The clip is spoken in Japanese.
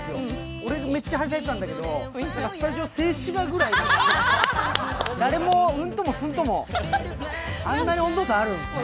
俺めっちゃはしゃいでたんだけどスタジオ静止画ぐらい誰もうんともすんともあんなに温度差あるんですね。